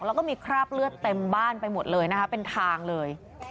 แล้วก็มีคราบเลือดเต็มบ้านไปหมดเลยนะคะเป็นทางเลย